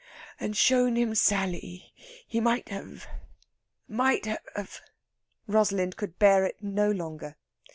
and shown him Sally ... he might have ... might have...." Rosalind could bear it no longer.